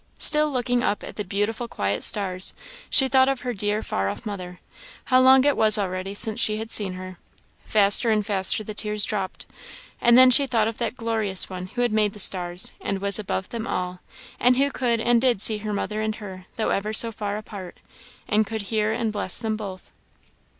Still looking up at the beautiful quiet stars, she thought of her dear far off mother how long it was already since she had seen her faster and faster the tears dropped and then she thought of that glorious One who had made the stars, and was above them all, and who could and did see her mother and her, though ever so far apart, and could hear and bless them both.